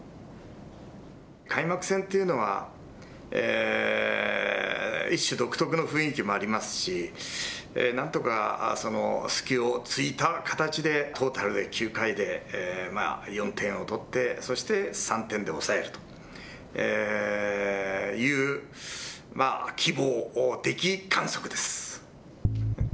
開幕戦というのは、一種独特の雰囲気もありますし、なんとかその隙をついた形でトータルで９回で４点を取って、そして３点で抑えるという希望的観測です。